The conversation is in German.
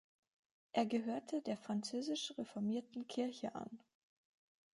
Er gehörte der Französisch-reformierten Kirche an.